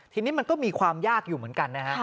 ทีนี้มันก็มีความยากอยู่เหมือนกันนะฮะ